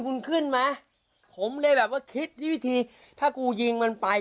คุณขึ้นไหมผมเลยแบบว่าคิดที่วิธีถ้ากูยิงมันไป